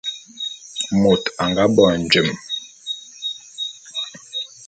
Môt a nga bo njem.